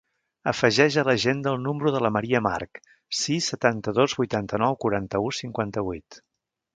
Afegeix a l'agenda el número de la Maria March: sis, setanta-dos, vuitanta-nou, quaranta-u, cinquanta-vuit.